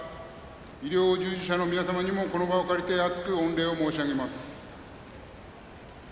医療従事者の皆様にもこの場を借りて厚く御礼申し上げます。